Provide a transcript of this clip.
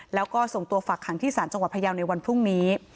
แล้วก็ส่งตัวฝักขังที่ศาลจังหวัดพยาวในวันพรุ่งนี้